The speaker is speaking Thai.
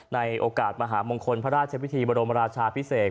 ในโอกาสมหามงคลพระราชพิธีบรมราชาพิเศษ